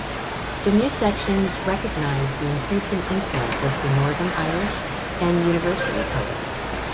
The new sections recognised the increasing influence of the Northern Irish and "university" poets.